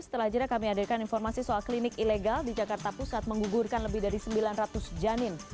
setelah jeda kami hadirkan informasi soal klinik ilegal di jakarta pusat menggugurkan lebih dari sembilan ratus janin